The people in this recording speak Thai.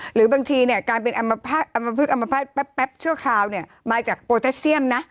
หรือบางทีเนี่ยการเป็นอมพลึกอำมภาษณแป๊บชั่วคราวเนี่ยมาจากโปรแทสเซียมนะ